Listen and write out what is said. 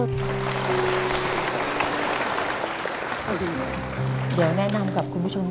ทำงานชื่อนางหยาดฝนภูมิสุขอายุ๕๔ปี